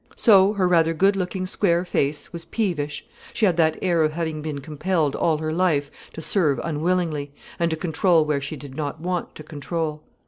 So, her rather good looking square face was peevish, she had that air of having been compelled all her life to serve unwillingly, and to control where she did not want to control.